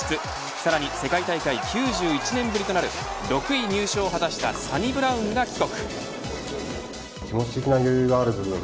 さらに世界大会９１年ぶりとなる６位入賞を果たしたサニブラウンが帰国。